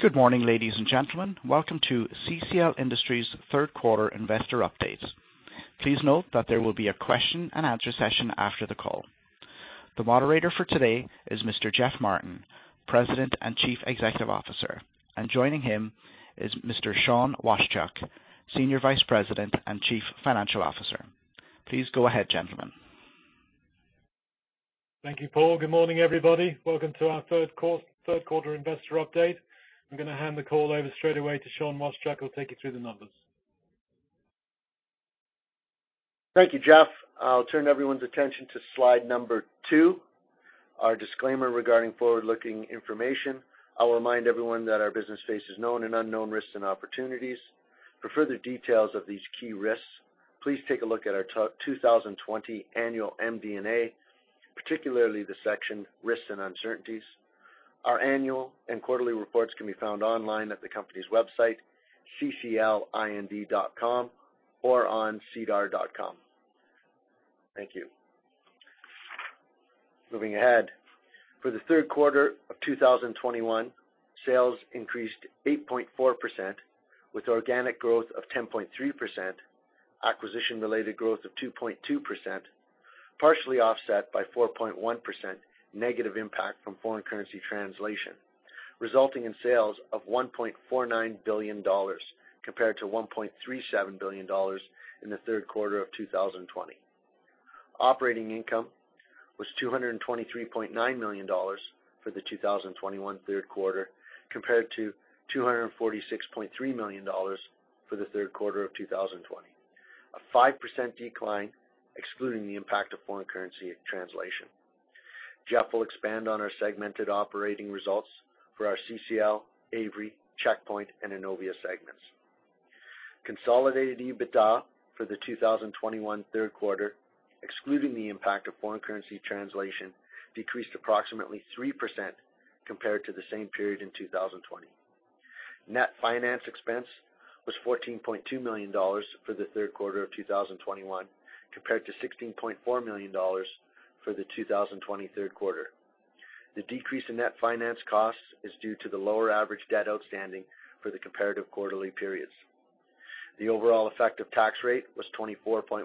Good morning, ladies and gentlemen. Welcome to CCL Industries third quarter investor update. Please note that there will be a question-and-answer session after the call. The moderator for today is Mr. Geoff Martin, President and Chief Executive Officer, and joining him is Mr. Sean Washchuk, Senior Vice President and Chief Financial Officer. Please go ahead, gentlemen. Thank you, Paul. Good morning, everybody. Welcome to our third quarter investor update. I'm gonna hand the call over straightaway to Sean Washchuk, who'll take you through the numbers. Thank you, Geoff. I'll turn everyone's attention to slide two, our disclaimer regarding forward-looking information. I'll remind everyone that our business faces known and unknown risks and opportunities. For further details of these key risks, please take a look at our 2020 annual MD&A, particularly the section Risks and Uncertainties. Our annual and quarterly reports can be found online at the company's website, cclind.com, or on sedar.com. Thank you. Moving ahead. For the third quarter of 2021, sales increased 8.4% with organic growth of 10.3%, acquisition-related growth of 2.2%, partially offset by 4.1% negative impact from foreign currency translation, resulting in sales of CAD 1.49 billion compared to CAD 1.37 billion in the third quarter of 2020. Operating income was 223.9 million dollars for the 2021 third quarter compared to 246.3 million dollars for the third quarter of 2020, a 5% decline excluding the impact of foreign currency translation. Geoff will expand on our segmented operating results for our CCL, Avery, Checkpoint, and Innovia segments. Consolidated EBITDA for the 2021 third quarter, excluding the impact of foreign currency translation, decreased approximately 3% compared to the same period in 2020. Net finance expense was 14.2 million dollars for the third quarter of 2021, compared to 16.4 million dollars for the 2020 third quarter. The decrease in net finance costs is due to the lower average debt outstanding for the comparative quarterly periods. The overall effective tax rate was 24.1%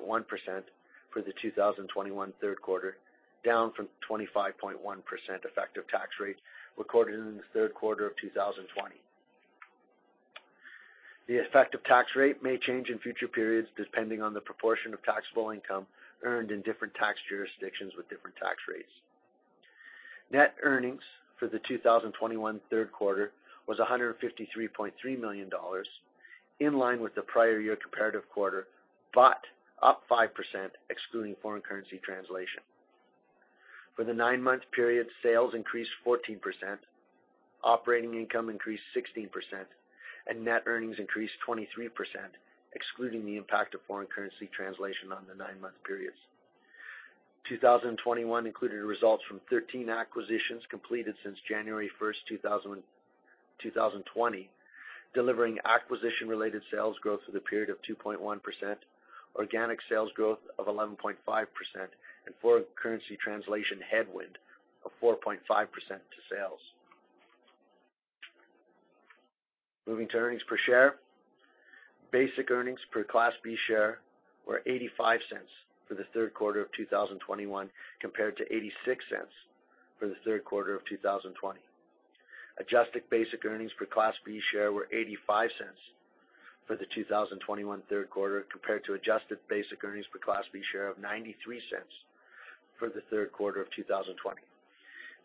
for the 2021 third quarter, down from 25.1% effective tax rate recorded in the third quarter of 2020. The effective tax rate may change in future periods, depending on the proportion of taxable income earned in different tax jurisdictions with different tax rates. Net earnings for the 2021 third quarter was CAD 153.3 million, in line with the prior year comparative quarter, but up 5% excluding foreign currency translation. For the nine-month period, sales increased 14%, operating income increased 16%, and net earnings increased 23%, excluding the impact of foreign currency translation on the nine-month periods. 2021 included results from 13 acquisitions completed since January 1, 2020, delivering acquisition-related sales growth for the period of 2.1%, organic sales growth of 11.5%, and foreign currency translation headwind of 4.5% to sales. Moving to earnings per share. Basic earnings per Class B share were 0.85 for the third quarter of 2021 compared to 0.86 for the third quarter of 2020. Adjusted basic earnings per Class B share were 0.85 for the 2021 third quarter compared to adjusted basic earnings per Class B share of 0.93 for the third quarter of 2020.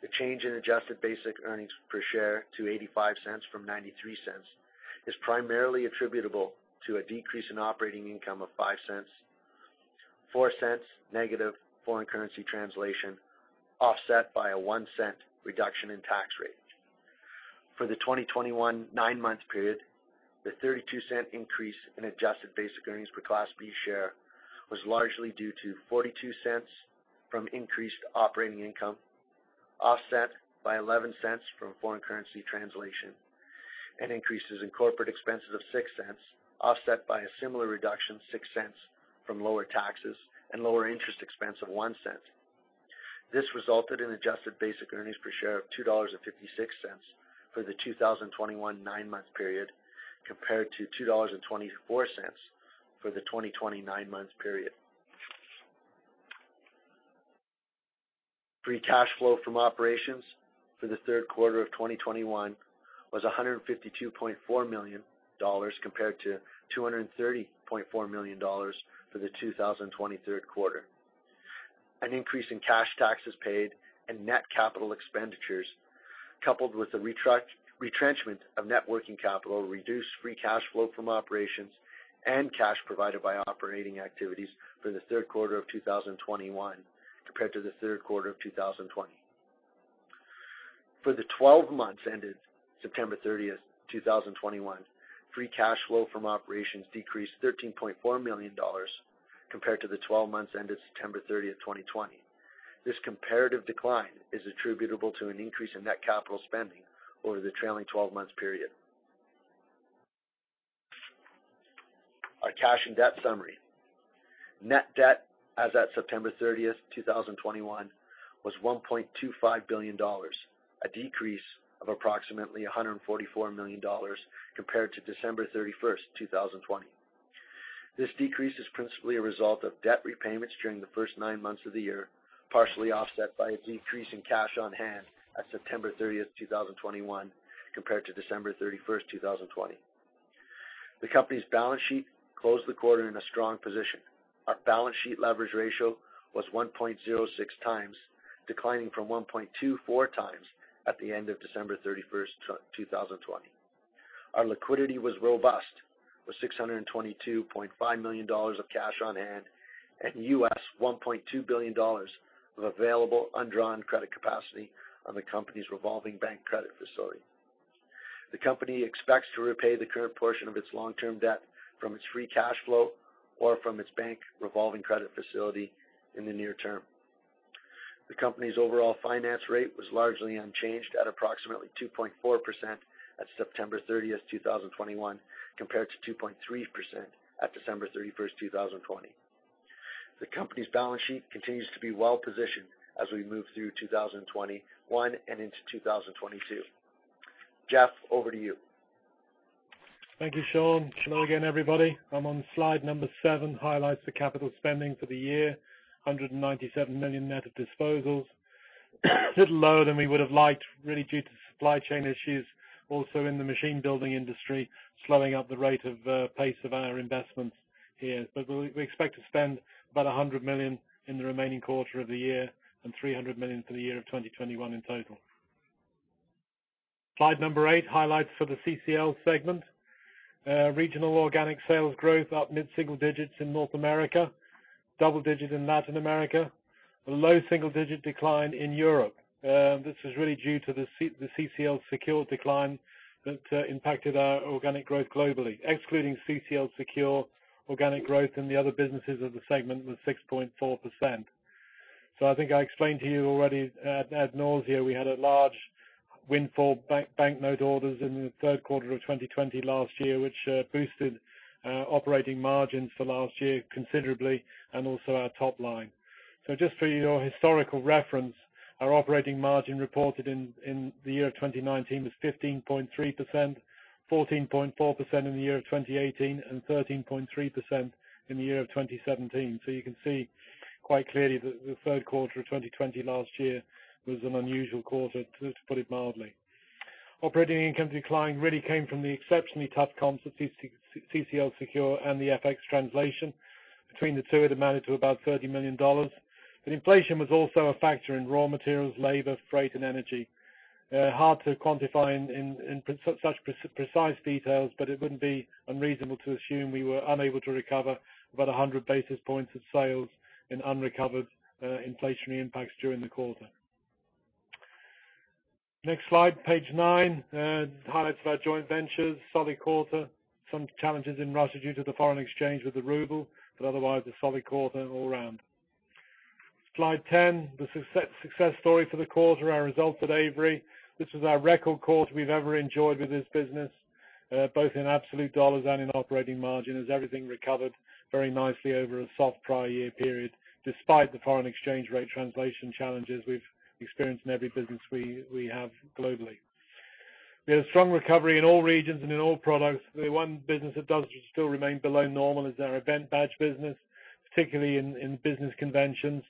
The change in adjusted basic earnings per share to 0.85 from 0.93 is primarily attributable to a decrease in operating income of 0.05, -0.04 foreign currency translation, offset by a 0.01 reduction in tax rate. For the 2021 nine-month period, the 0.32 increase in adjusted basic earnings per Class B share was largely due to 0.42 from increased operating income, offset by 0.11 from foreign currency translation, and increases in corporate expenses of 0.06, offset by a similar reduction 0.06 from lower taxes and lower interest expense of 0.01. This resulted in adjusted basic earnings per share of 2.56 dollars for the 2021 nine-month period, compared to 2.24 dollars for the 2020 nine-month period. Free cash flow from operations for the third quarter of 2021 was 152.4 million dollars compared to 230.4 million dollars for the 2020 third quarter. An increase in cash taxes paid and net capital expenditures, coupled with the retrenchment of net working capital, reduced free cash flow from operations and cash provided by operating activities for the third quarter of 2021 compared to the third quarter of 2020. For the 12 months ended September 30, 2021, free cash flow from operations decreased 13.4 million dollars compared to the 12 months ended September 30, 2020. This comparative decline is attributable to an increase in net capital spending over the trailing 12-month period. Our cash and debt summary. Net debt as at September 30, 2021 was 1.25 billion dollars, a decrease of approximately 144 million dollars compared to December 31, 2020. This decrease is principally a result of debt repayments during the first nine months of the year, partially offset by a decrease in cash on hand at September 30, 2021, compared to December 31, 2020. The company's balance sheet closed the quarter in a strong position. Our balance sheet leverage ratio was 1.06x, declining from 1.24x at the end of December 31, 2020. Our liquidity was robust, with 622.5 million dollars of cash on hand and $1.2 billion of available undrawn credit capacity on the company's revolving bank credit facility. The company expects to repay the current portion of its long-term debt from its free cash flow or from its bank revolving credit facility in the near term. The company's overall finance rate was largely unchanged at approximately 2.4% at September 30, 2021, compared to 2.3% at December 31, 2020. The company's balance sheet continues to be well-positioned as we move through 2021 and into 2022. Jeff, over to you. Thank you, Sean. Hello again, everybody. I'm on slide seven, highlights the capital spending for the year, 197 million net of disposals. A little lower than we would have liked, really due to supply chain issues, also in the machine building industry, slowing up the pace of our investments here. We expect to spend about 100 million in the remaining quarter of the year and 300 million for the year of 2021 in total. Slide eight, highlights for the CCL segment. Regional organic sales growth up mid-single-digit in North America, double-digit in Latin America. A low single-digit decline in Europe. This is really due to the CCL Secure decline that impacted our organic growth globally. Excluding CCL Secure, organic growth in the other businesses of the segment was 6.4%. I think I explained to you already, ad nauseam, we had a large windfall banknote orders in the third quarter of 2020 last year, which boosted operating margins for last year considerably and also our top line. Just for your historical reference, our operating margin reported in the year of 2019 was 15.3%, 14.4% in the year of 2018, and 13.3% in the year of 2017. You can see quite clearly that the third quarter of 2020 last year was an unusual quarter, to put it mildly. Operating income decline really came from the exceptionally tough comps at CCL Secure and the FX translation. Between the two, it amounted to about 30 million dollars. Inflation was also a factor in raw materials, labor, freight, and energy. Hard to quantify in such precise details, but it wouldn't be unreasonable to assume we were unable to recover about 100 basis points of sales in unrecovered inflationary impacts during the quarter. Next slide, page nine. Highlights of our joint ventures. Solid quarter. Some challenges in Russia due to the foreign exchange with the ruble, but otherwise a solid quarter all around. Slide 10, the success story for the quarter, our results at Avery. This was our record quarter we've ever enjoyed with this business, both in absolute dollars and in operating margin, as everything recovered very nicely over a soft prior year period, despite the foreign exchange rate translation challenges we've experienced in every business we have globally. We had a strong recovery in all regions and in all products. The one business that does still remain below normal is our event badge business, particularly in business conventions.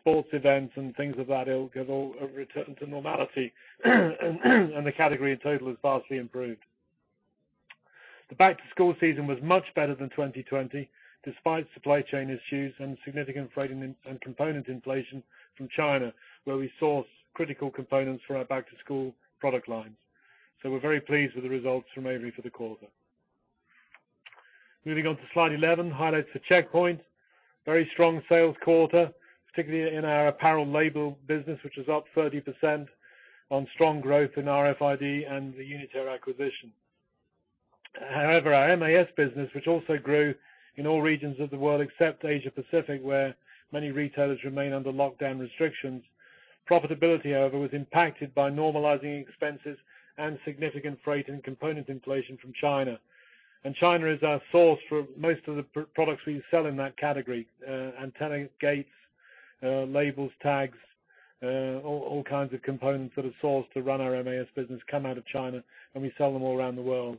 Sports events and things of that ilk have all returned to normality. The category in total has vastly improved. The back-to-school season was much better than 2020, despite supply chain issues and significant freight and component inflation from China, where we source critical components for our back-to-school product lines. We're very pleased with the results from Avery for the quarter. Moving on to slide 11, highlights for Checkpoint. Very strong sales quarter, particularly in our apparel label business, which was up 30% on strong growth in RFID and the Unitex acquisition. However, our MAS business, which also grew in all regions of the world except Asia Pacific, where many retailers remain under lockdown restrictions. Profitability, however, was impacted by normalizing expenses and significant freight and component inflation from China. China is our source for most of the products we sell in that category. Antenna gates, labels, tags, all kinds of components that are sourced to run our MAS business come out of China, and we sell them all around the world.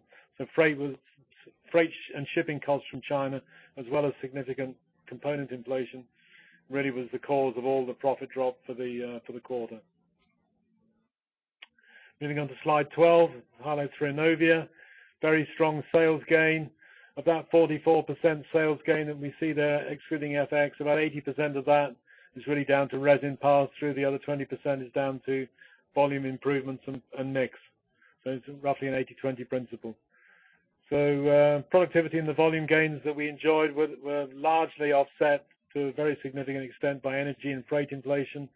Freight and shipping costs from China, as well as significant component inflation, really was the cause of all the profit drop for the quarter. Moving on to slide 12, highlights for Innovia. Very strong sales gain. About 44% sales gain that we see there, excluding FX. About 80% of that is really down to resin pass-through. The other 20% is down to volume improvements and mix. It's roughly an 80/20 principle. Productivity and the volume gains that we enjoyed were largely offset to a very significant extent by energy and freight inflation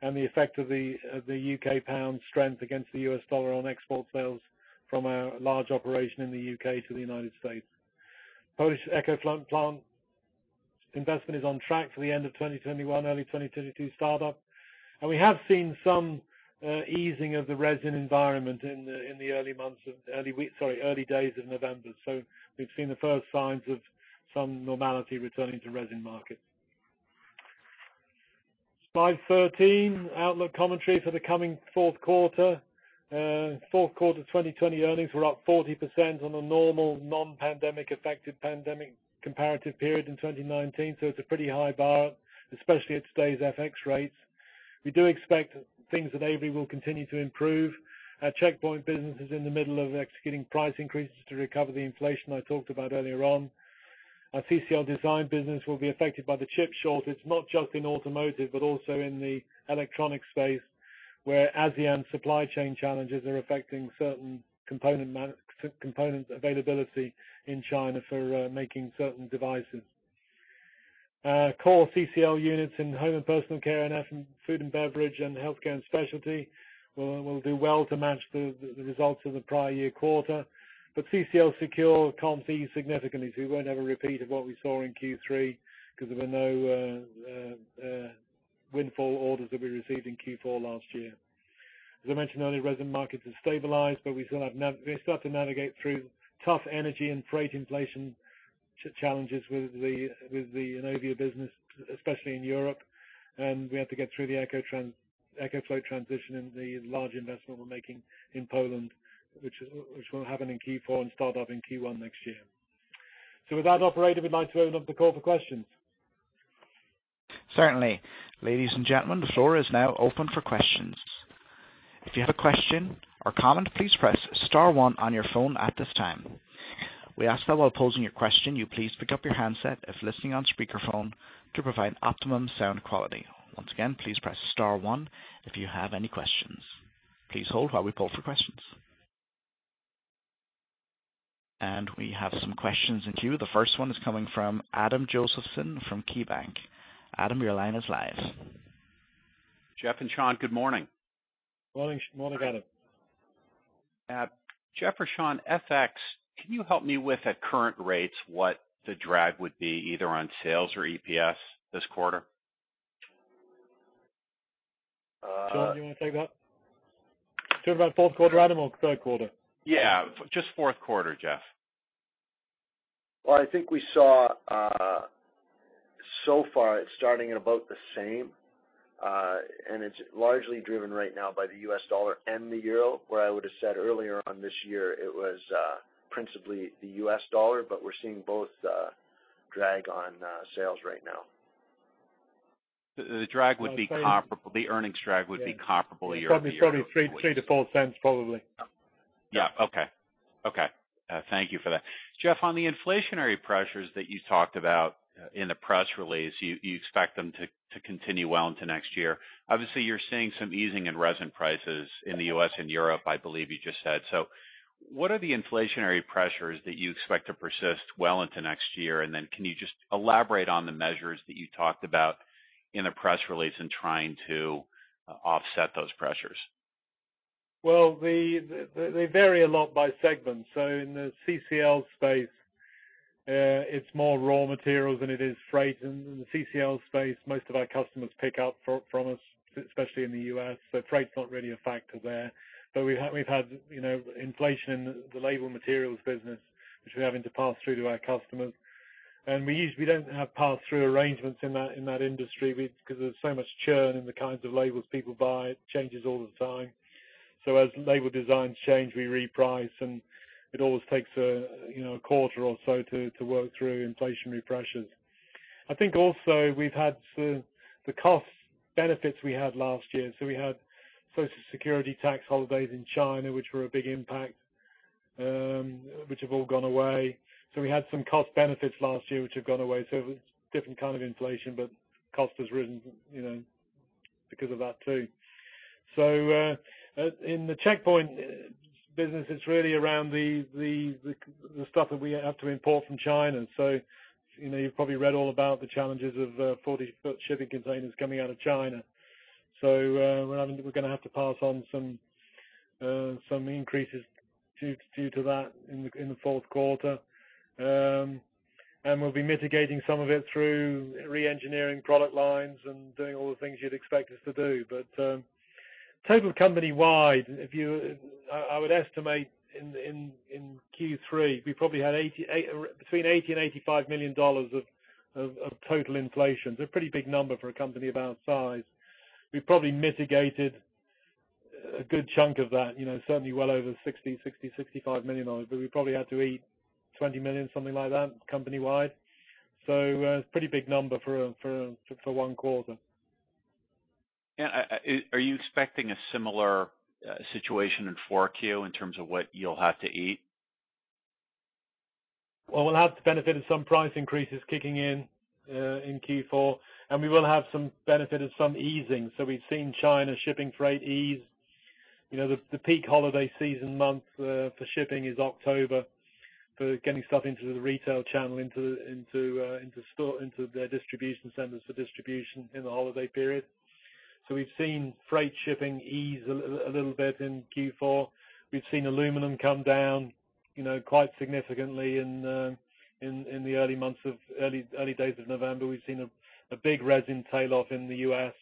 and the effect of the UK. pound strength against the US dollar on export sales from our large operation in the U.K. to the United States. Polish EcoFloat plant investment is on track for the end of 2021, early 2022 startup. We have seen some easing of the resin environment in the early days of November. We've seen the first signs of some normality returning to resin markets. Slide 13, outlook commentary for the coming fourth quarter. Fourth quarter 2020 earnings were up 40% on a normal non-pandemic affected comparative period in 2019. It's a pretty high bar, especially at today's FX rates. We do expect things at Avery will continue to improve. Our Checkpoint business is in the middle of executing price increases to recover the inflation I talked about earlier on. Our CCL Design business will be affected by the chip shortage, not just in automotive, but also in the electronic space, where ASEAN supply chain challenges are affecting certain component availability in China for making certain devices. Core CCL units in home and personal care and food and beverage and healthcare and specialty will do well to match the results of the prior year quarter. CCL Secure can't see significantly. We won't have a repeat of what we saw in Q3 because there were no windfall orders that we received in Q4 last year. As I mentioned earlier, resin markets have stabilized, but we still have to navigate through tough energy and freight inflation challenges with the Innovia business, especially in Europe. We have to get through the EcoFloat transition and the large investment we're making in Poland, which will happen in Q4 and start up in Q1 next year. With that operator, we'd like to open up the call for questions. Certainly. Ladies and gentlemen, the floor is now open for questions. If you have a question or comment, please press star one on your phone at this time. We ask that while posing your question, you please pick up your handset if listening on speakerphone to provide optimum sound quality. Once again, please press star one if you have any questions. Please hold while we poll for questions. We have some questions in queue. The first one is coming from Adam Josephson from KeyBanc. Adam, your line is live. Geoff and Sean, good morning. Morning, Adam. Geoff or Sean, FX, can you help me with at current rates, what the drag would be either on sales or EPS this quarter? Uh. Sean, do you wanna take that? Talking about fourth quarter item or third quarter? Yeah, just fourth quarter, Jeff. Well, I think we saw, so far it's starting at about the same, and it's largely driven right now by the US dollar and the euro. Where I would have said earlier on this year it was, principally the US dollar, but we're seeing both drag on sales right now. The drag would be comparable. The earnings drag would be comparable year-over-year. It's probably 0.03-0.04, probably. Yeah. Okay. Okay. Thank you for that. Geoff, on the inflationary pressures that you talked about in the press release, you expect them to continue well into next year. Obviously, you're seeing some easing in resin prices in the U.S. and Europe, I believe you just said. What are the inflationary pressures that you expect to persist well into next year? And then can you just elaborate on the measures that you talked about in the press release in trying to offset those pressures? Well, they vary a lot by segment. In the CCL space, it's more raw materials than it is freight. In the CCL space, most of our customers pick up from us, especially in the U.S., so freight's not really a factor there. We've had, you know, inflation in the label materials business, which we're having to pass through to our customers. We don't have pass-through arrangements in that industry. Because there's so much churn in the kinds of labels people buy, it changes all the time. As label designs change, we reprice, and it always takes a, you know, a quarter or so to work through inflationary pressures. I think also we've had the cost benefits we had last year. We had Social Security tax holidays in China, which were a big impact, which have all gone away. We had some cost benefits last year, which have gone away. Different kind of inflation, but cost has risen, you know, because of that too. In the Checkpoint business, it's really around the stuff that we have to import from China. You know, you've probably read all about the challenges of 40-foot shipping containers coming out of China. We're gonna have to pass on some increases due to that in the fourth quarter. We'll be mitigating some of it through re-engineering product lines and doing all the things you'd expect us to do. Total company-wide, I would estimate in Q3, we probably had between 80 million-85 million dollars of total inflation. It's a pretty big number for a company of our size. We've probably mitigated a good chunk of that, you know. Certainly well over 65 million dollars, but we probably had to eat 20 million, something like that, company-wide. It's a pretty big number for one quarter. Are you expecting a similar situation in 4Q in terms of what you'll have to eat? Well, we'll have the benefit of some price increases kicking in in Q4, and we will have some benefit of some easing. We've seen China shipping freight ease. You know, the peak holiday season month for shipping is October for getting stuff into the retail channel, into store, into their distribution centers for distribution in the holiday period. We've seen freight shipping ease a little bit in Q4. We've seen aluminum come down, you know, quite significantly in the early days of November. We've seen a big resin tail-off in the U.S.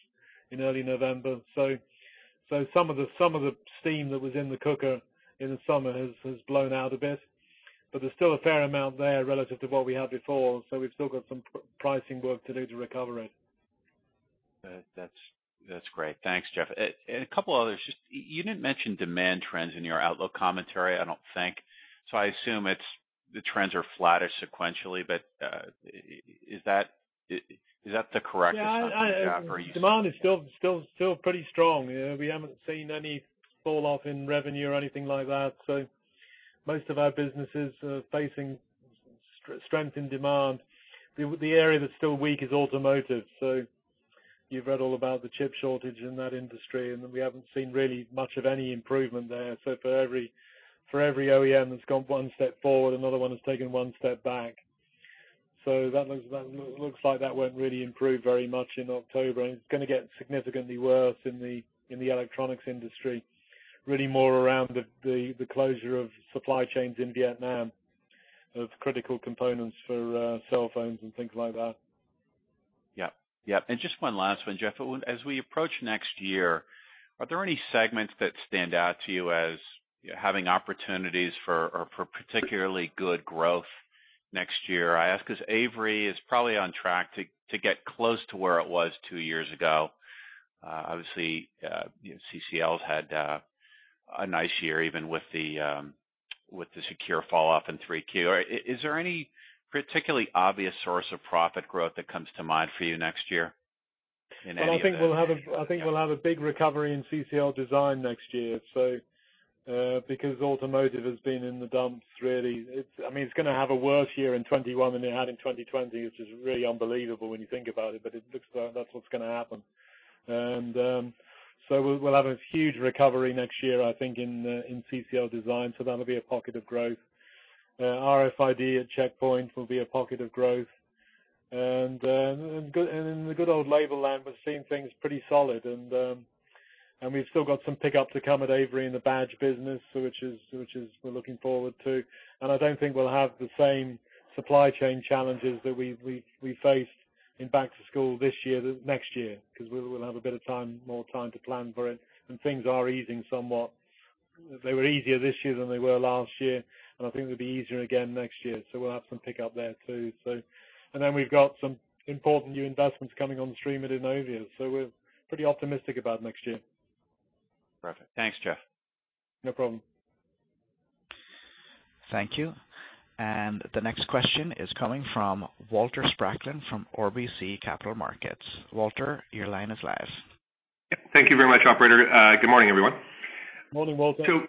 in early November. Some of the steam that was in the cooker in the summer has blown out a bit, but there's still a fair amount there relative to what we had before. We've still got some pricing work to do to recover it. That's great. Thanks, Geoff. And a couple others. Just, you didn't mention demand trends in your outlook commentary, I don't think. I assume it's the trends are flattish sequentially, but is that the correct assumption, Geoff? Or are you- Demand is still pretty strong. We haven't seen any falloff in revenue or anything like that, so most of our businesses are facing strength in demand. The area that's still weak is automotive. You've read all about the chip shortage in that industry, and we haven't seen really much of any improvement there. For every OEM that's gone one step forward, another one has taken one step back. That looks like that won't really improve very much in October, and it's gonna get significantly worse in the electronics industry, really more around the closure of supply chains in Vietnam of critical components for cell phones and things like that. Yeah. Yeah. Just one last one, Geoff. As we approach next year, are there any segments that stand out to you as having opportunities for particularly good growth next year? I ask 'cause Avery is probably on track to get close to where it was two years ago. Obviously, you know, CCL's had a nice year, even with the Secure falloff in 3Q. Is there any particularly obvious source of profit growth that comes to mind for you next year in any of the- Well, I think we'll have a big recovery in CCL Design next year, because automotive has been in the dumps really. It's I mean, it's gonna have a worse year in 2021 than it had in 2020, which is really unbelievable when you think about it, but it looks like that's what's gonna happen. We'll have a huge recovery next year, I think, in CCL Design, so that'll be a pocket of growth. RFID at Checkpoint will be a pocket of growth. The good old label land, we're seeing things pretty solid, and we've still got some pickup to come at Avery in the badge business, which we're looking forward to. I don't think we'll have the same supply chain challenges that we faced in back to school this year, the next year, 'cause we'll have a bit of time, more time to plan for it, and things are easing somewhat. They were easier this year than they were last year, and I think they'll be easier again next year, so we'll have some pickup there too. Then we've got some important new investments coming on stream at Innovia, so we're pretty optimistic about next year. Perfect. Thanks, Geoff. No problem. Thank you. The next question is coming from Walter Spracklin from RBC Capital Markets. Walter, your line is live. Thank you very much, operator. Good morning, everyone. Morning, Walter.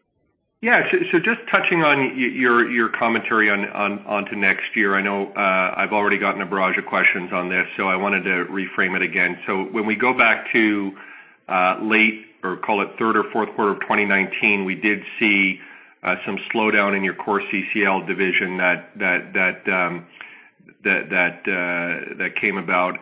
Yeah. Just touching on your commentary onto next year. I know I've already gotten a barrage of questions on this, so I wanted to reframe it again. When we go back to late or call it third or fourth quarter of 2019, we did see some slowdown in your core CCL division that came about.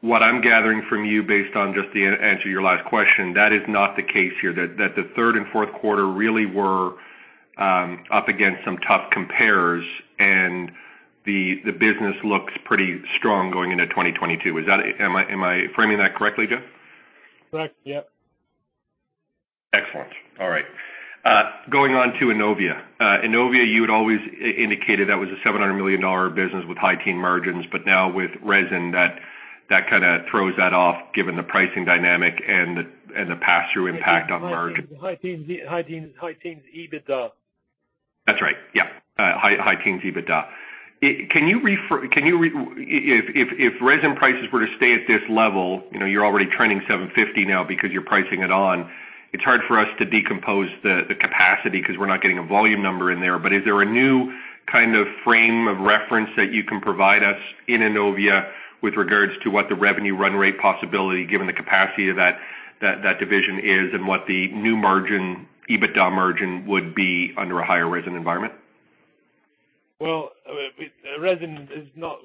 What I'm gathering from you based on just the answer to your last question, that is not the case here. The third and fourth quarter really were up against some tough compares and the business looks pretty strong going into 2022. Is that. Am I framing that correctly, Geoff? Correct. Yep. Excellent. All right. Going on to Innovia. Innovia, you had always indicated that was a 700 million dollar business with high-teens margins, but now with resin, that kinda throws that off given the pricing dynamic and the pass-through impact on margin. High teens EBITDA. That's right. Yeah. High-teens EBITDA. If resin prices were to stay at this level, you know, you're already trending 750 now because you're pricing it on. It's hard for us to decompose the capacity because we're not getting a volume number in there, but is there a new kind of frame of reference that you can provide us in Innovia with regards to what the revenue run-rate possibility, given the capacity of that division is and what the new margin, EBITDA margin would be under a higher resin environment? Well, we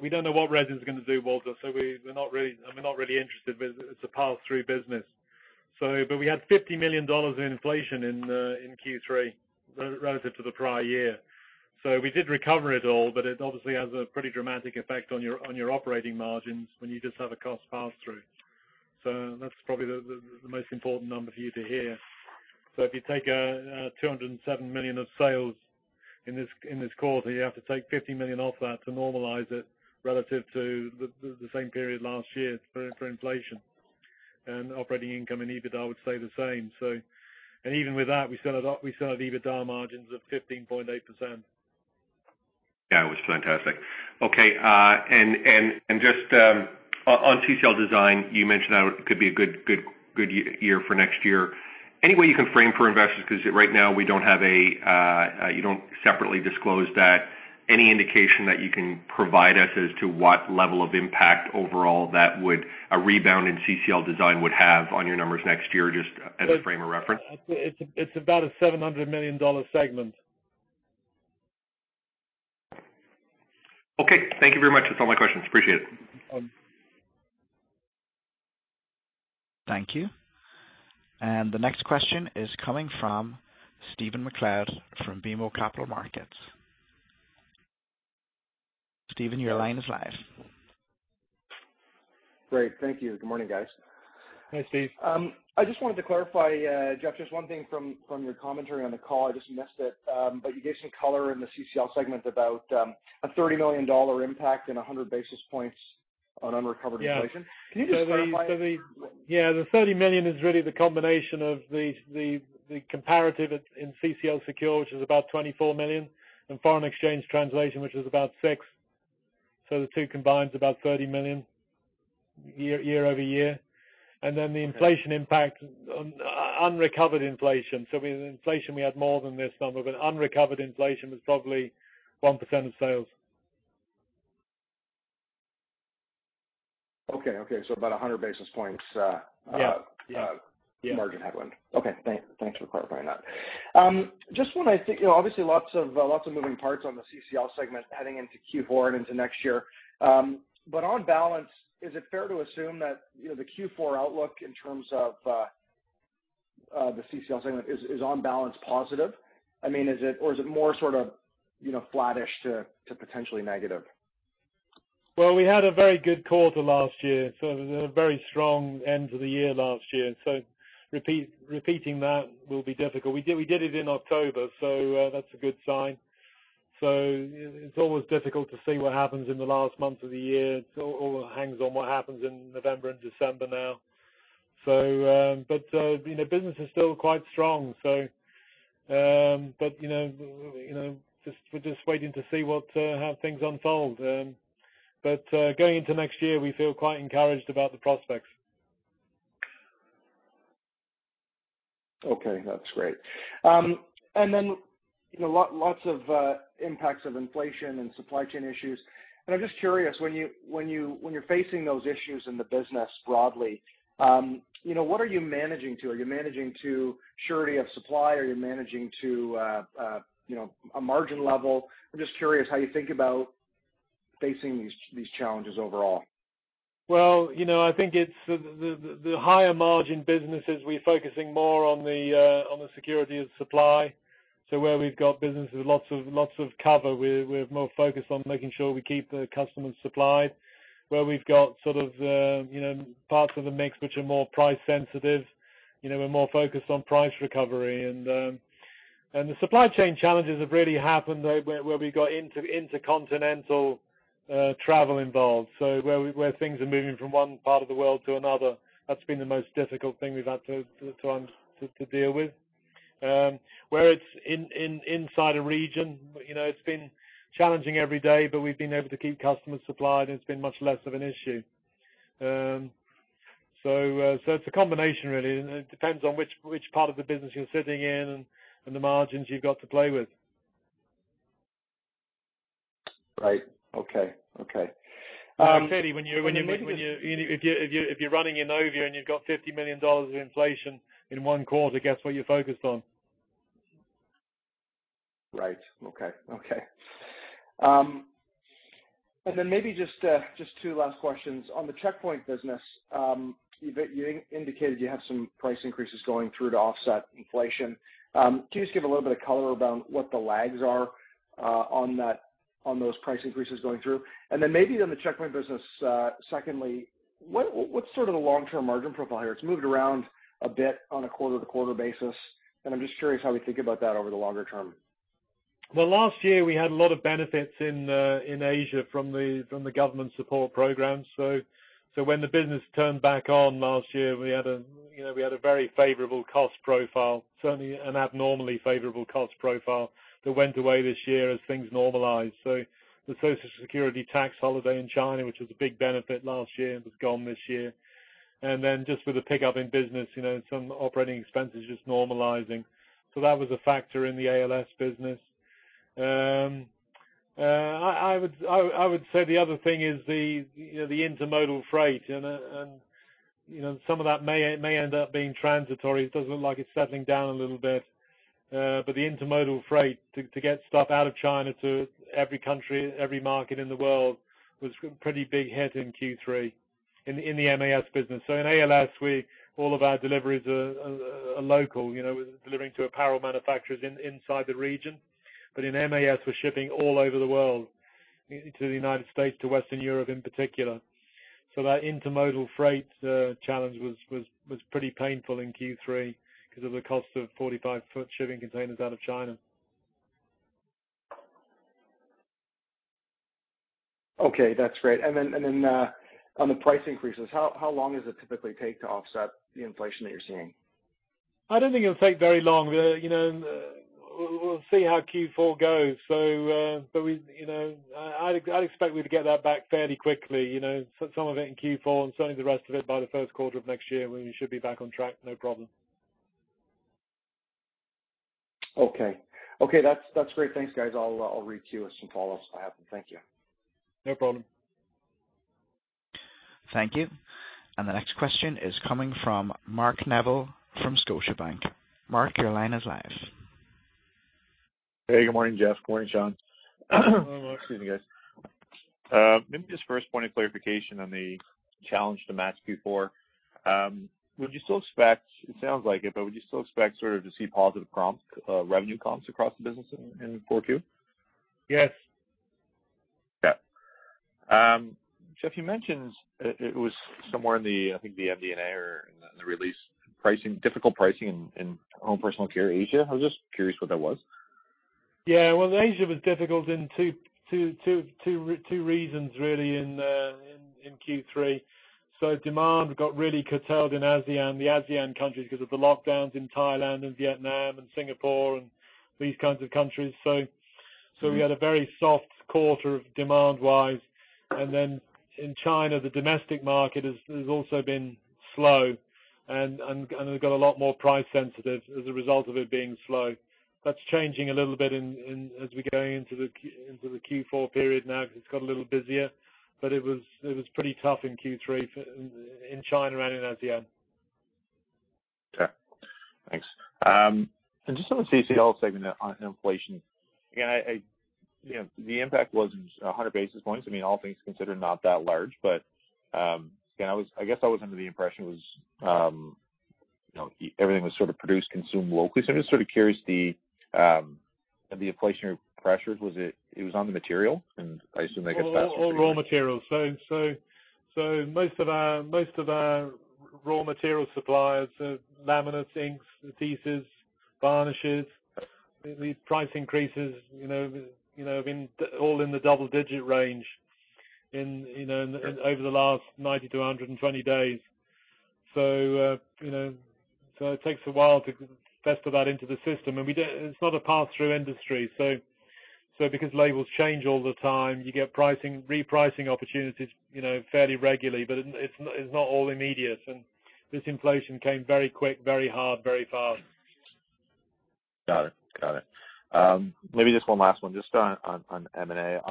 don't know what resin is gonna do, Walter. We're not really interested. It's a pass-through business. We had 50 million dollars in inflation in Q3 relative to the prior year. We did recover it all, but it obviously has a pretty dramatic effect on your operating margins when you just have a cost pass-through. That's probably the most important number for you to hear. If you take 207 million of sales in this quarter, you have to take 50 million off that to normalize it relative to the same period last year for inflation. Operating income and EBITDA would stay the same. Even with that, we still had EBITDA margins of 15.8%. Yeah. It was fantastic. Okay. Just on CCL Design, you mentioned that could be a good year for next year. Any way you can frame for investors, 'cause right now you don't separately disclose that. Any indication that you can provide us as to what level of impact overall a rebound in CCL Design would have on your numbers next year, just as a frame of reference? It's about a 700 million dollar segment. Okay. Thank you very much. That's all my questions. Appreciate it. Thank you. The next question is coming from Stephen MacLeod from BMO Capital Markets. Stephen, your line is live. Great. Thank you. Good morning, guys. Hey, Steve. I just wanted to clarify, Geoff, just one thing from your commentary on the call. I just missed it. You gave some color in the CCL segment about a 30 million dollar impact and 100 basis points on unrecovered inflation. Yeah. Can you just clarify? The 30 million is really the combination of the comparative in CCL Secure, which is about 24 million, and foreign exchange translation, which is about 6 million. The two combined is about CAD 30 million year-over-year. Then the inflation impact on unrecovered inflation. With inflation, we had more than this number, but unrecovered inflation was probably 1% of sales. Okay. About 100 basis points, Yeah. Yeah Margin headwind. Okay. Thanks for clarifying that. Just when I think, you know, obviously lots of moving parts on the CCL segment heading into Q4 and into next year. But on balance, is it fair to assume that, you know, the Q4 outlook in terms of the CCL segment is on balance positive? I mean, is it or is it more sort of, you know, flattish to potentially negative? Well, we had a very good quarter last year, so it was a very strong end of the year last year. Repeating that will be difficult. We did it in October, so that's a good sign. It's always difficult to see what happens in the last month of the year. It all hangs on what happens in November and December now. You know, business is still quite strong. You know, we're just waiting to see how things unfold. Going into next year, we feel quite encouraged about the prospects. Okay, that's great. You know, lots of impacts of inflation and supply chain issues. I'm just curious, when you're facing those issues in the business broadly, you know, what are you managing to? Are you managing to security of supply? Are you managing to, you know, a margin level? I'm just curious how you think about facing these challenges overall. Well, you know, I think it's the higher margin businesses. We're focusing more on the security of supply. Where we've got businesses, lots of cover, we're more focused on making sure we keep the customers supplied. Where we've got sort of, you know, parts of the mix which are more price sensitive, you know, we're more focused on price recovery. The supply chain challenges have really happened where we got intercontinental travel involved. Where things are moving from one part of the world to another, that's been the most difficult thing we've had to deal with. Where it's inside a region, you know, it's been challenging every day, but we've been able to keep customers supplied, and it's been much less of an issue. It's a combination really. It depends on which part of the business you're sitting in and the margins you've got to play with. Right. Okay. Clearly, if you're running Innovia and you've got 50 million dollars of inflation in one quarter, guess what you're focused on. Maybe just two last questions. On the Checkpoint business, you've indicated you have some price increases going through to offset inflation. Can you just give a little bit of color about what the lags are on those price increases going through? Maybe on the Checkpoint business, secondly, what's sort of the long-term margin profile here? It's moved around a bit on a quarter-to-quarter basis, and I'm just curious how we think about that over the longer term. Well, last year we had a lot of benefits in Asia from the government support programs. When the business turned back on last year, we had a you know very favorable cost profile, certainly an abnormally favorable cost profile that went away this year as things normalized. The Social Security tax holiday in China, which was a big benefit last year, was gone this year then just with the pickup in business, you know, some operating expenses just normalizing that was a factor in the ALS business. I would say the other thing is the you know intermodal freight. You know, some of that may end up being transitory. It does look like it's settling down a little bit. The intermodal freight to get stuff out of China to every country, every market in the world was a pretty big hit in Q3 in the MAS business. In ALS, all of our deliveries are local, you know, delivering to apparel manufacturers inside the region. In MAS, we're shipping all over the world, to the United States, to Western Europe in particular. That intermodal freight challenge was pretty painful in Q3 because of the cost of 45-foot shipping containers out of China. Okay, that's great. On the price increases, how long does it typically take to offset the inflation that you're seeing? I don't think it'll take very long. You know, we'll see how Q4 goes. You know, I expect we to get that back fairly quickly. You know, some of it in Q4 and certainly the rest of it by the first quarter of next year, we should be back on track, no problem. Okay. Okay, that's great. Thanks, guys. I'll reach you with some follow-ups if I have them. Thank you. No problem. Thank you. The next question is coming from Mark Neville from Scotiabank. Mark, your line is live. Hey, good morning, Geoff. Good morning, Sean. Excuse me, guys. Maybe just first point of clarification on the challenge to match Q4. It sounds like it, but would you still expect sort of to see positive comp, revenue comps across the business in 4Q? Yes. Yeah. Geoff, you mentioned it was somewhere in the, I think the MD&A or in the release, difficult pricing in Home Personal Care Asia. I was just curious what that was. Yeah. Well, Asia was difficult in two reasons really in Q3. Demand got really curtailed in ASEAN, the ASEAN countries, because of the lockdowns in Thailand and Vietnam and Singapore and these kinds of countries. We had a very soft quarter demand-wise. Then in China, the domestic market has also been slow and we've got a lot more price sensitive as a result of it being slow. That's changing a little bit as we're going into the Q4 period now, because it's got a little busier. It was pretty tough in Q3 in China and in ASEAN. Okay. Thanks. Just on the CCL segment on inflation. Again, I you know, the impact was 100 basis points. I mean, all things considered, not that large, but again, I was. I guess I was under the impression was you know, everything was sort of produced, consumed locally. I'm just sort of curious the inflationary pressures. Was it on the material? I assume, I guess, that's- All raw materials. Most of our raw material suppliers are laminates, inks, adhesives, varnishes. The price increases, you know, have been all in the double digit range, you know, over the last 90-120 days. You know, it takes a while to factor that into the system. We don't. It's not a pass-through industry. Because labels change all the time, you get pricing, repricing opportunities, you know, fairly regularly, but it's not all immediate. This inflation came very quick, very hard, very fast. Got it. Maybe just one last one just on M&A.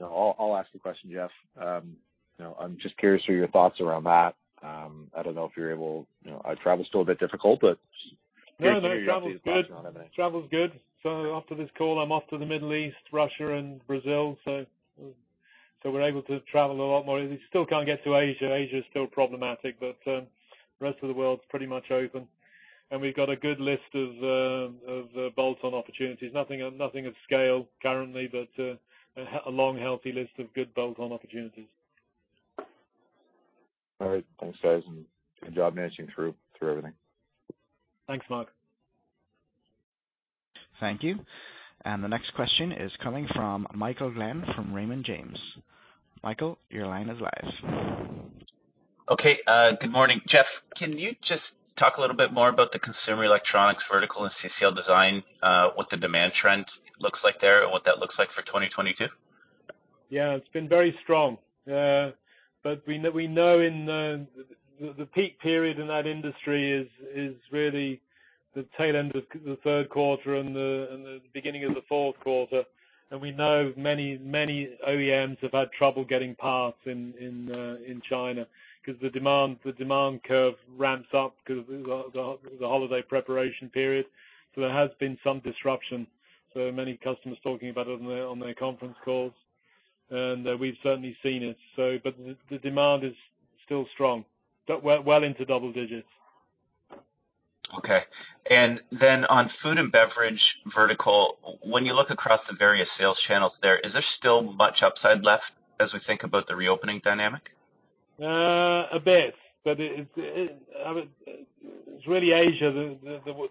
You know, I'll ask the question, Geoff. You know, I'm just curious for your thoughts around that. I don't know if you're able, you know. Travel's still a bit difficult, but. No, no. Travel's good. Curious to hear your thoughts on M&A. Travel's good. After this call, I'm off to the Middle East, Russia and Brazil. We're able to travel a lot more. You still can't get to Asia. Asia is still problematic, but rest of the world's pretty much open. We've got a good list of bolt-on opportunities. Nothing of scale currently, but a long, healthy list of good bolt-on opportunities. All right. Thanks, guys, and good job managing through everything. Thanks, Mark. Thank you. The next question is coming from Michael Glen from Raymond James. Michael, your line is live. Okay. Good morning. Geoff, can you just talk a little bit more about the consumer electronics vertical in CCL Design, what the demand trend looks like there and what that looks like for 2022? Yeah. It's been very strong. We know in the peak period in that industry is really the tail end of the third quarter and the beginning of the fourth quarter. We know many OEMs have had trouble getting parts in China because the demand curve ramps up because of the holiday preparation period. There has been some disruption, so many customers talking about it on their conference calls. We've certainly seen it. The demand is still strong, but well into double digits. Okay. On food and beverage vertical, when you look across the various sales channels there, is there still much upside left as we think about the reopening dynamic? It's really Asia,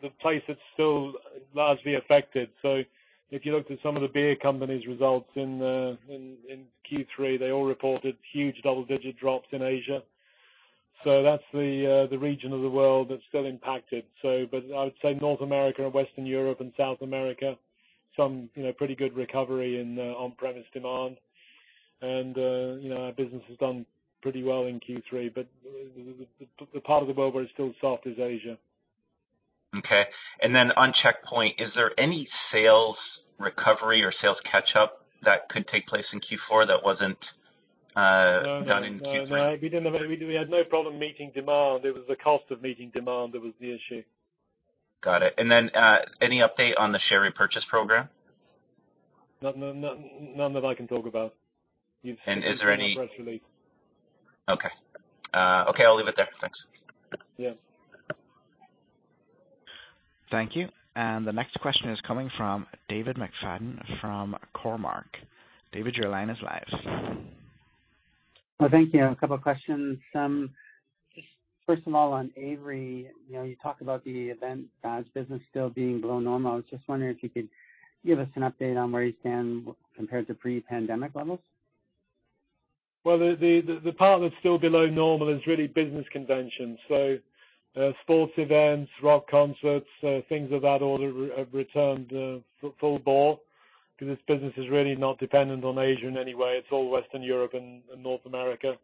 the place that's still largely affected. If you looked at some of the beer companies results in Q3, they all reported huge double-digit drops in Asia. That's the region of the world that's still impacted. I would say North America and Western Europe and South America, some you know pretty good recovery in on-premise demand. Our business has done pretty well in Q3, but the part of the world where it's still soft is Asia. Okay. On Checkpoint, is there any sales recovery or sales catch-up that could take place in Q4 that wasn't done in Q3? No. We didn't have any. We had no problem meeting demand. It was the cost of meeting demand that was the issue. Got it. Any update on the share repurchase program? None that I can talk about. You've seen the press release. Is there any... Okay. Okay, I'll leave it there. Thanks. Yeah. Thank you. The next question is coming from David McFadgen from Cormark. David, your line is live. Well, thank you. A couple of questions. Just first of all, on Avery, you know, you talked about the event business still being below normal. I was just wondering if you could give us an update on where you stand compared to pre-pandemic levels. Well, the part that's still below normal is really business conventions. Sports events, rock concerts, things of that order have returned full bore because this business is really not dependent on Asia in any way. It's all Western Europe and North America.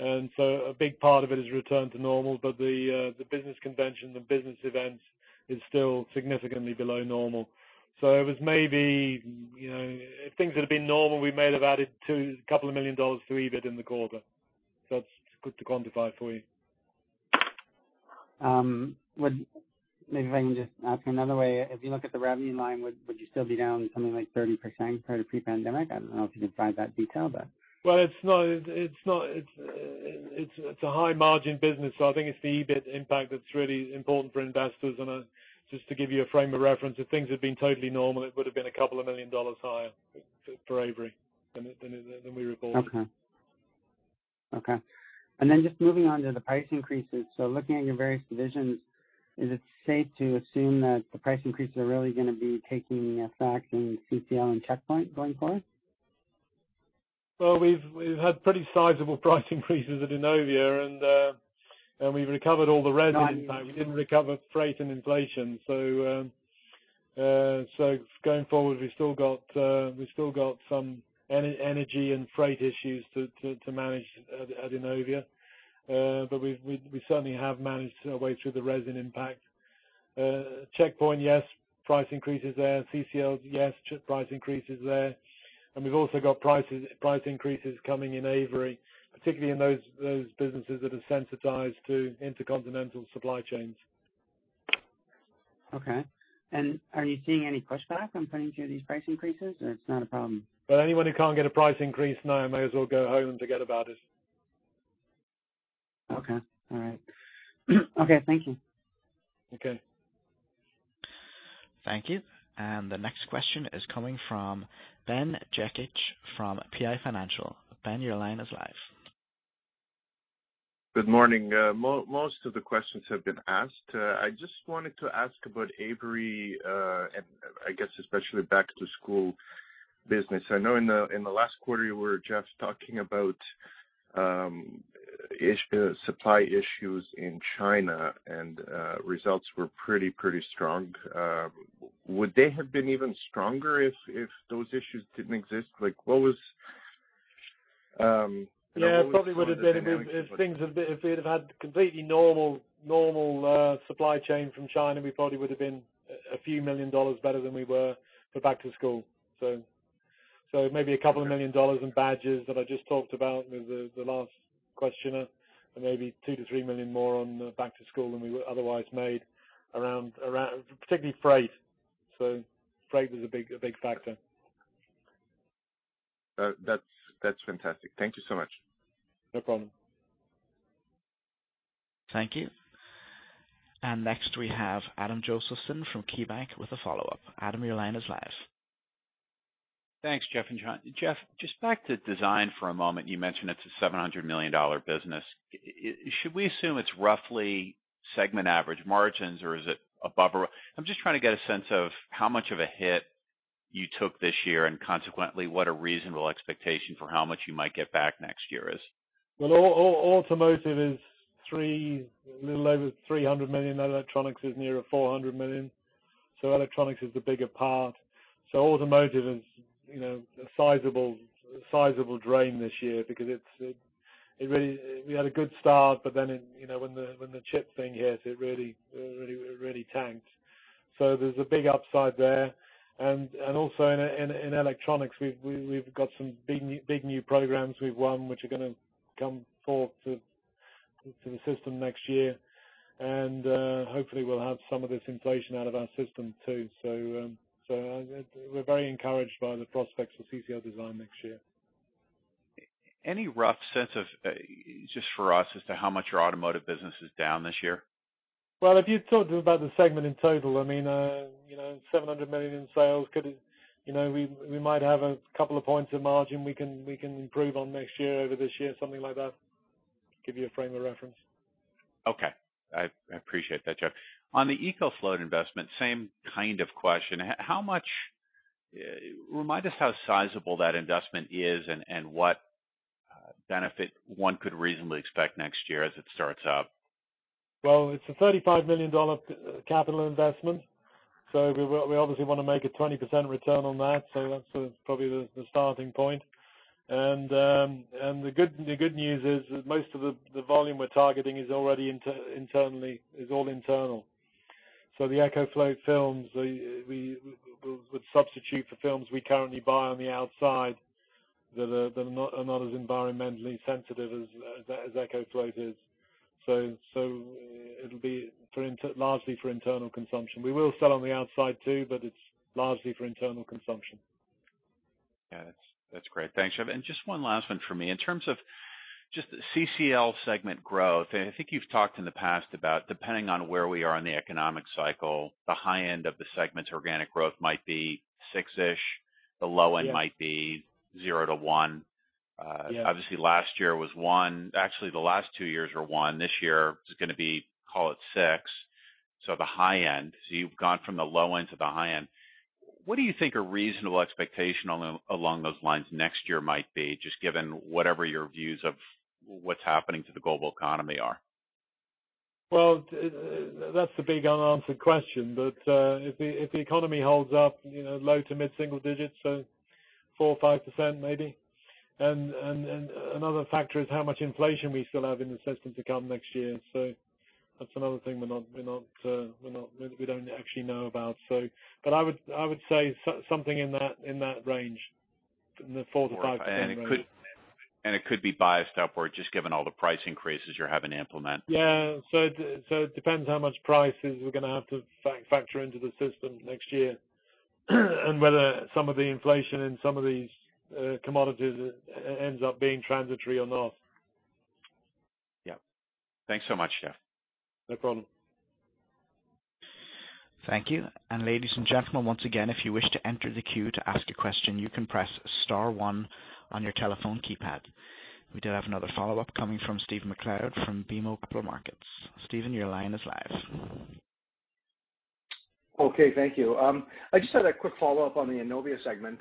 A big part of it has returned to normal, but the business convention, the business events is still significantly below normal. It was maybe, you know, if things would have been normal, we may have added a couple of million CAD to EBIT in the quarter. That's good to quantify for you. Maybe if I can just ask you another way, if you look at the revenue line, would you still be down something like 30% prior to pre-pandemic? I don't know if you can provide that detail, but. Well, it's a high margin business, so I think it's the EBIT impact that's really important for investors. Just to give you a frame of reference, if things had been totally normal, it would have been 2 million dollars higher for Avery than we reported. Okay. Just moving on to the price increases. Looking at your various divisions, is it safe to assume that the price increases are really gonna be taking effect in CCL and Checkpoint going forward? Well, we've had pretty sizable price increases at Innovia, and we've recovered all the resin impact. We didn't recover freight and inflation. Going forward, we've still got some energy and freight issues to manage at Innovia. But we've certainly have managed our way through the resin impact. Checkpoint, yes, price increases there. CCL, yes, price increases there. And we've also got price increases coming in Avery, particularly in those businesses that are sensitized to intercontinental supply chains. Okay. Are you seeing any pushback on putting through these price increases, or it's not a problem? Well, anyone who can't get a price increase now may as well go home and forget about it. Okay. All right. Okay. Thank you. Okay. Thank you. The next question is coming from Ben Jekic from PI Financial. Ben, your line is live. Good morning. Most of the questions have been asked. I just wanted to ask about Avery, and I guess especially back to school business. I know in the last quarter you were just talking about supply issues in China, and results were pretty strong. Would they have been even stronger if those issues didn't exist? Like, what was Yeah, it probably would have been if we'd have had completely normal supply chain from China. We probably would have been CAD a few million better than we were for back to school. Maybe CAD a couple of million in badges that I just talked about with the last questioner, and maybe 2 million-3 million more on the back to school than we otherwise made around particularly freight. Freight was a big factor. That's fantastic. Thank you so much. No problem. Thank you. Next we have Adam Josephson from KeyBanc with a follow-up. Adam, your line is live. Thanks, Geoff and Sean. Geoff, just back to Design for a moment. You mentioned it's a 700 million dollar business. Should we assume it's roughly segment average margins, or is it above or below? I'm just trying to get a sense of how much of a hit you took this year and consequently, what a reasonable expectation for how much you might get back next year is. Well, automotive is a little over 300 million. Electronics is nearer 400 million. Electronics is the bigger part. Automotive is, you know, a sizable drain this year because it really tanked. We had a good start, but then it, you know, when the chip thing hit, it really tanked. There's a big upside there. Also in electronics, we've got some big new programs we've won, which are gonna come forward to the system next year. Hopefully we'll have some of this inflation out of our system too. We're very encouraged by the prospects for CCL Design next year. Any rough sense of, just for us, as to how much your automotive business is down this year? Well, if you talk about the segment in total, I mean, you know, 700 million in sales could, you know, we might have a couple of points of margin we can improve on next year over this year, something like that. Give you a frame of reference. Okay. I appreciate that, Geoff. On the EcoFloat investment, same kind of question. How much. Remind us how sizable that investment is and what benefit one could reasonably expect next year as it starts up. Well, it's a 35 million dollar capital investment, so we obviously wanna make a 20% return on that. That's probably the starting point. The good news is most of the volume we're targeting is already internally, is all internal. The EcoFloat films, we would substitute for films we currently buy on the outside that are not as environmentally sensitive as EcoFloat is. It'll be largely for internal consumption. We will sell on the outside too, but it's largely for internal consumption. Yeah. That's great. Thanks, Geoff. Just one last one for me. In terms of just CCL segment growth, I think you've talked in the past about depending on where we are in the economic cycle, the high end of the segment's organic growth might be six-ish. Yeah. The low end might be zero-one. Yeah. Obviously, last year was one. Actually, the last two years were one. This year is gonna be, call it six. So the high end. So you've gone from the low end to the high end. What do you think a reasonable expectation along those lines next year might be, just given whatever your views of what's happening to the global economy are? Well, that's the big unanswered question. If the economy holds up, you know, low- to mid-single digits, 4% or 5% maybe. Another factor is how much inflation we still have in the system to come next year. That's another thing we don't actually know about. I would say something in that range, 4%-5%. It could be biased upward just given all the price increases you're having to implement. It depends how much prices we're gonna have to factor into the system next year and whether some of the inflation in some of these commodities ends up being transitory or not. Yeah. Thanks so much, Geoff. No problem. Thank you. Ladies and gentlemen, once again, if you wish to enter the queue to ask a question, you can press star one on your telephone keypad. We do have another follow-up coming from Stephen MacLeod from BMO Capital Markets. Stephen, your line is live. Okay, thank you. I just had a quick follow-up on the Innovia segment.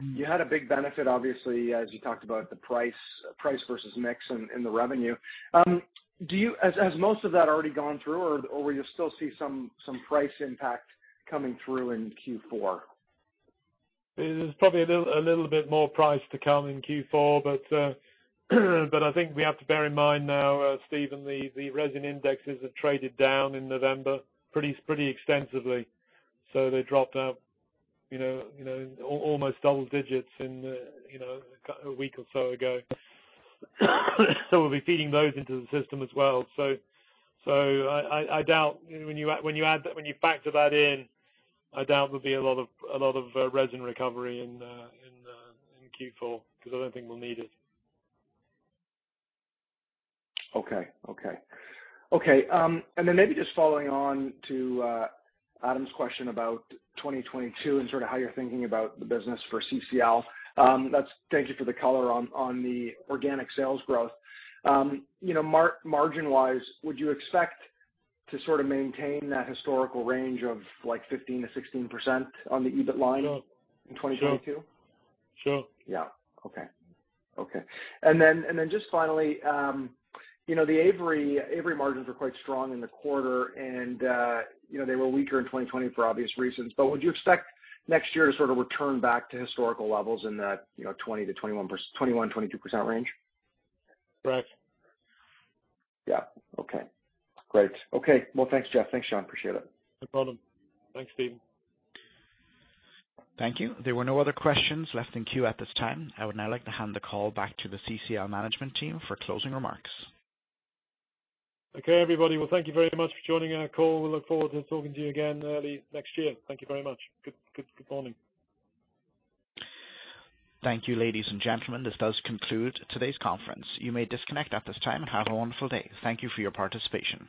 You had a big benefit obviously as you talked about the price versus mix in the revenue. Has most of that already gone through or will you still see some price impact coming through in Q4? There's probably a little bit more price to come in Q4, but I think we have to bear in mind now, Stephen, the resin indexes have traded down in November pretty extensively. They dropped, you know, almost double digits in a week or so ago. We'll be feeding those into the system as well. I doubt when you factor that in there'll be a lot of resin recovery in Q4 because I don't think we'll need it. Maybe just following on to Adam's question about 2022 and sort of how you're thinking about the business for CCL. That's thank you for the color on the organic sales growth. You know, margin wise, would you expect to sort of maintain that historical range of like 15%-16% on the EBIT line? Sure. in 2022? Sure. Just finally, you know, the Avery margins were quite strong in the quarter and, you know, they were weaker in 2020 for obvious reasons. Would you expect next year to sort of return back to historical levels in that, you know, 21%-22% range? Right. Yeah. Okay. Great. Okay. Well, thanks, Geoff. Thanks, Sean. Appreciate it. No problem. Thanks, Stephen. Thank you. There were no other questions left in queue at this time. I would now like to hand the call back to the CCL management team for closing remarks. Okay, everybody. Well, thank you very much for joining our call. We look forward to talking to you again early next year. Thank you very much. Good morning. Thank you, ladies and gentlemen. This does conclude today's conference. You may disconnect at this time and have a wonderful day. Thank you for your participation.